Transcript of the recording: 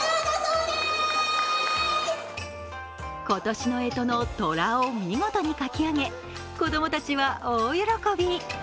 今年の干支の「寅」を見事に書き上げ子供たちは大喜び。